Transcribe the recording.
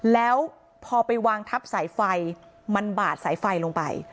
แล้วพอไปวางทับสายไฟมันบาดสายไฟลงไป